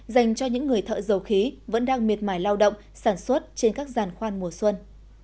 dành cho những người thợ dầu khí vẫn đang miệt mải lao động sản xuất trên các giàn khoan mùa xuân